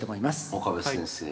岡部先生。